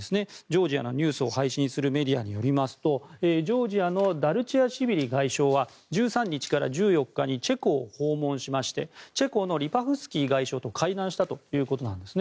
ジョージアのニュースを配信するメディアによりますとジョージアのダルチアシビリ外相は１３日から１４日にチェコを訪問しましてチェコのリパフスキー外相と会談したということです。